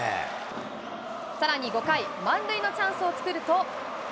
さらに５回、満塁のチャンスを作ると。